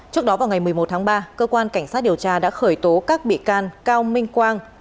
trước đó vào ngày một mươi một tháng ba cơ quan cảnh sát điều tra đã khởi tố các bị can cao minh quang